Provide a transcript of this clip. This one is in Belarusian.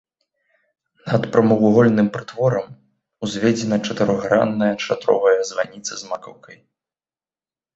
Над прамавугольным прытворам узведзена чатырохгранная шатровая званіца з макаўкай.